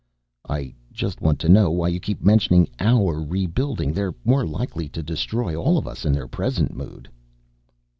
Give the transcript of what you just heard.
"I just want to know why you keep mentioning our rebuilding. They're more likely to destroy all of us in their present mood."